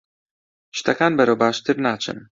شتەکان بەرەو باشتر ناچن.